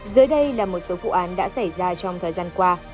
dưới đây là một số vụ án đã xảy ra trong thời gian qua